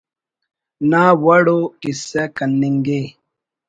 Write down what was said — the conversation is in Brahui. نا وڑ ءُ کسہ کننگ ءِ